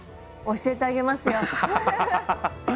教えてあげますよ。